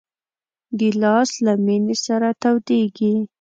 ګیلاس له مېنې سره تودېږي.